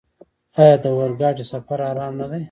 آیا د اورګاډي سفر ارام نه دی؟